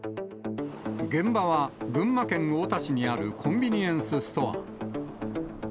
現場は、群馬県太田市にあるコンビニエンスストア。